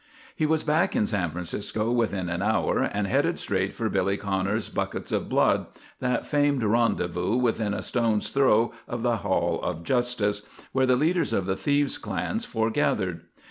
He was back in San Francisco within an hour, and headed straight for Billy Connors' Buckets of Blood, that famed rendezvous within a stone's throw of the Hall of Justice, where the leaders of the thieves' clans foregathered.